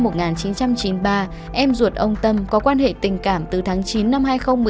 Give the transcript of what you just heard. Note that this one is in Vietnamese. trước khi ra lưới em ruột ông tâm có quan hệ tình cảm từ tháng chín năm hai nghìn một mươi hai